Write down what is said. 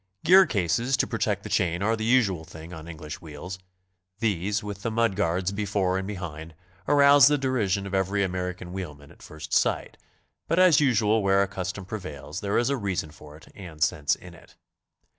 Gear cases to protect the chain are the usual thing on English wheels. These, with the mud guards before and be hind, arouse the derision of every American wheelman at first sight, but as usual where a custom prevails, there is a reason for it and sense in it.